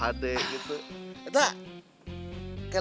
aduh hd gitu